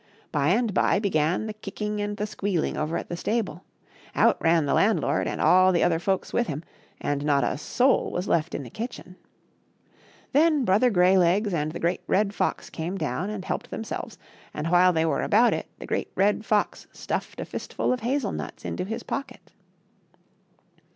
By and by began the kicking and the squealing over at the stable; out ran the landlord and all the other folks with him, and not a soul was left in the kitchen. Then brother Greylegs and the Great Red Fox came down and helped themselves, and while they were about it the Great Red Fox stuffed a fistful of hazel nuts into his pocket.